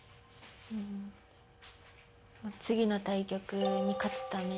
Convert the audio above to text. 次の対局に勝つため。